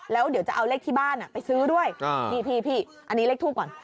แล้วเดี๋ยวจะเอาเลขที่บ้านไปซื้อด้วยนี่พี่อันนี้เลขทูปก่อน